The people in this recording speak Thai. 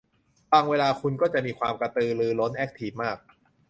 บางเวลาคุณก็จะมีความกระตือรือร้นแอ็คทีฟมาก